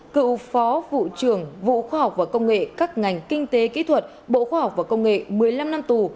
cựu phó vụ trưởng vụ khoa học và công nghệ các ngành kinh tế kỹ thuật bộ khoa học và công nghệ một mươi năm năm tù